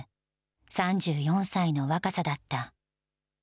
３４歳の若さだった。